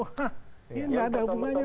hah ini nggak ada hubungannya lah